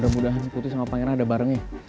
mudah mudahan putri sama pangeran ada bareng ya